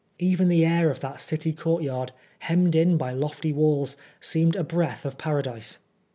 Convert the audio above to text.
Even the air of that city court yard, hemmed in by lofty walls, seemed a breath of Paradise.